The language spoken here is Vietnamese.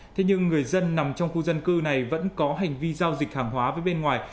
thế nhưng người dân nằm trong khu dân cư này vẫn có hành vi giao dịch hàng hóa với bên ngoài